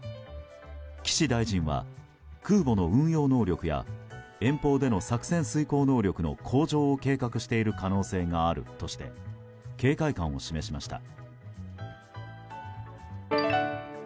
岸大臣は、空母の運用能力や遠方での作戦遂行能力の向上を計画している可能性があるとして警戒感を示しました。